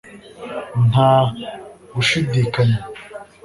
nta gushidikanya